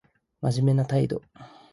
真面目な態度